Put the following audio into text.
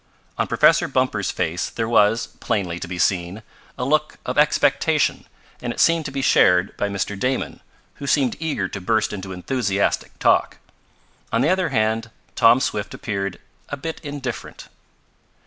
On Professor Bumper's face there was, plainly to be seen, a look of expectation, and it seemed to be shared by Mr. Damon, who seemed eager to burst into enthusiastic talk. On the other hand Tom Swift appeared a bit indifferent.